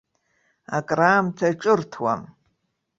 Акраамҭа ҿырҭуам.